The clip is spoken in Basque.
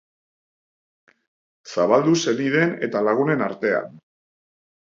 Zabaldu senideen eta lagunen artean.